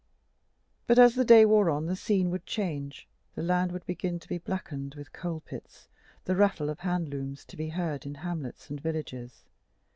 But as the day wore on the scene would change: the land would begin to be blackened with coal pits, the rattle of handlooms to be heard in hamlets and villages.